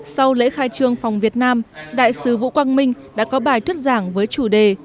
sau lễ khai trương phòng việt nam đại sứ vũ quang minh đã có bài tuyết giảng với chủ đề